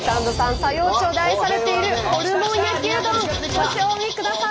佐用町で愛されているホルモン焼きうどんご賞味ください。